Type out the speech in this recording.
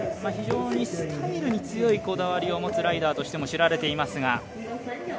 非常にスタイルに強いこだわりを持つライダーとしても知られていますが。